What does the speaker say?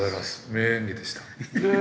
名演技でした。